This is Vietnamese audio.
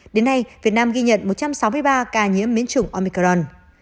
đến nay việt nam ghi nhận một trăm sáu mươi ba ca nhiễm biến chủng omicron